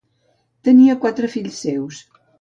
Tenia quatre fills seus.